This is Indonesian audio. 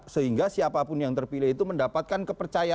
sehingga siapapun yang terpilih itu mendapatkan kepercayaan